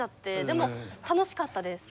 でも楽しかったです。